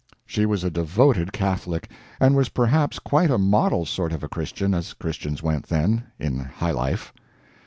She was a devoted Catholic, and was perhaps quite a model sort of a Christian as Christians went then, in high life.